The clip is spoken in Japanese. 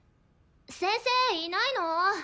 先生いないの？